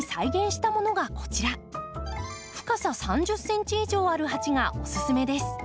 深さ３０ｃｍ以上ある鉢がおすすめです。